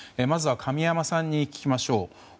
まずは神山さんに聞きましょう。